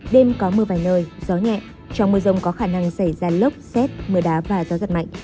đêm có mưa vài nơi gió nhẹ trong mưa rông có khả năng xảy ra lốc xét mưa đá và gió giật mạnh